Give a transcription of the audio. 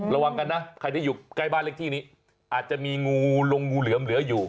ระวังกันนะใครที่อยู่ใกล้บ้านเลขที่นี้อาจจะมีงูลงงูเหลือมเหลืออยู่